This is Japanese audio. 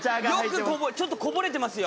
ちょっとこぼれてますよ。